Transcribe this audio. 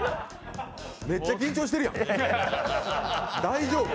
めっちゃ緊張してるやん、大丈夫？